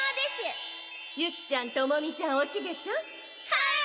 はい？